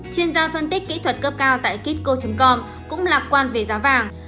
chuyên gia phân tích kỹ thuật cấp cao tại kitco com cũng lạc quan về giá vàng